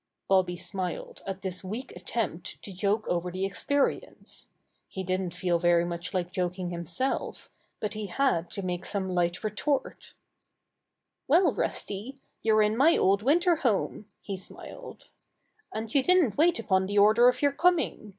Bobby smiled at this weak attempt to joke over the experience. He didn't feel very 17 18 Bobby Gray Squirrel's Adventures much like joking himself, but he had to make some light retort. *Well, Rusty, you're in my old winter home," he smiled. "And you didn't wait upon the order of your coming.